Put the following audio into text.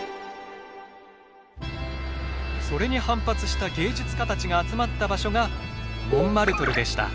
それに反発した芸術家たちが集まった場所がモンマルトルでした。